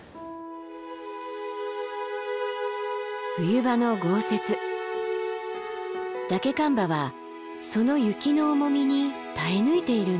冬場の豪雪ダケカンバはその雪の重みに耐え抜いているんです。